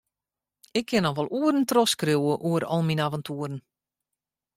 Ik kin noch wol oeren trochskriuwe oer al myn aventoeren.